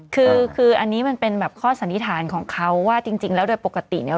คือคืออันนี้มันเป็นแบบข้อสันนิษฐานของเขาว่าจริงแล้วโดยปกติเนี่ย